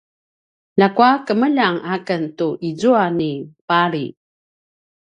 ljakua kemeljang aken tu izua ni pali